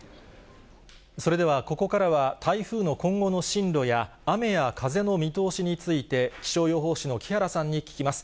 それでは、ここからは台風の今後の進路や雨や風の見通しについて、気象予報士の木原さんに聞きます。